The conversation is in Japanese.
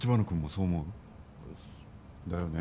だよね。